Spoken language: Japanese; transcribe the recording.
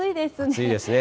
暑いですね。